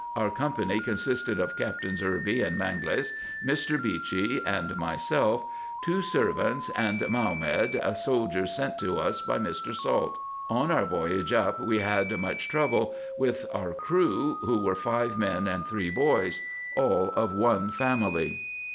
Our company consisted of Captains Irby and Mangles, Mr. Beechey, and myself; two servants, and Mahomed, a soldier sent to us by Mr. Salt. On our voyage up we had much trouble with our crew, who were five men and three boys, all of one family.